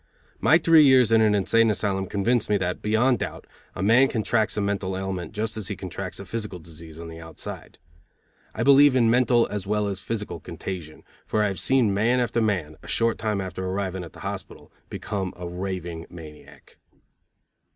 My three years in an insane asylum convinced me that, beyond doubt, a man contracts a mental ailment just as he contracts a physical disease on the outside. I believe in mental as well as physical contagion, for I have seen man after man, a short time after arriving at the hospital, become a raving maniac.